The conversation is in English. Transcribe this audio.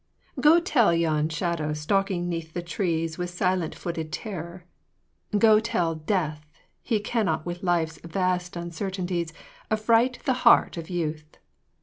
Go tell yon shadow stalking 'neath the trees With silent footed terror, go tell Death He cannot with Life's vast uncertainties Affright the heart of Youth